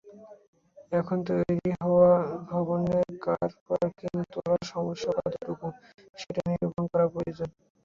এখন তৈরি হওয়া ভবনে কারপার্কিং তলার সমস্যা কতটুকু, সেটা নিরূপণ করা প্রয়োজন।